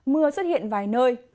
mưa xuất hiện vài nơi